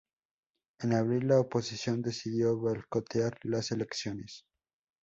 En abril, la oposición decidió boicotear las elecciones.